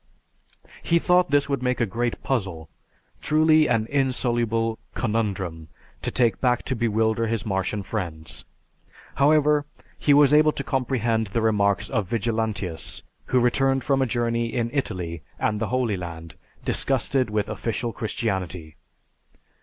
He thought this would make a great puzzle, truly an insoluble conundrum, to take back to bewilder his Martian friends. However, he was able to comprehend the remarks of Vigilantius, "who returned from a journey in Italy and the Holy Land disgusted with official Christianity.